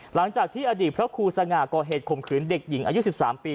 หลังจากที่อดีตพระครูสง่าก่อเหตุข่มขืนเด็กหญิงอายุ๑๓ปี